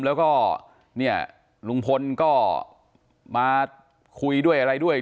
แล้วก็เนี่ยลุงพลก็มาคุยด้วยอะไรด้วย